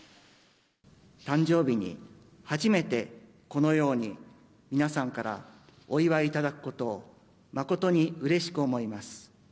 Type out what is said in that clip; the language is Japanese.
誕生日に、初めてこのように皆さんからお祝いいただくことを、誠にうれしく思います。